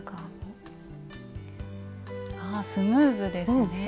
あスムーズですねえ。